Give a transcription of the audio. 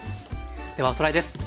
ではおさらいです。